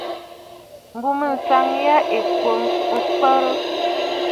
M̀bùmânsaŋ yâ ɨ̀ kwo mfəərə.